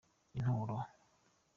inturo.